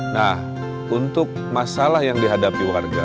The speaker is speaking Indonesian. nah untuk masalah yang dihadapi warga